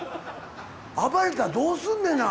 暴れたらどうすんねんな！